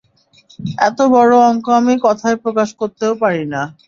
এত বড় অংক আমি কথায় প্রকাশ করতেও পারি না।